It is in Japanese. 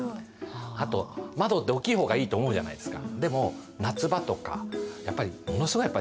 あと窓って大きい方がいいと思うじゃないですか。